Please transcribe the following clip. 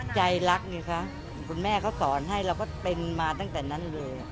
ใจรักไงคะคุณแม่เขาสอนให้เราก็เป็นมาตั้งแต่นั้นเลย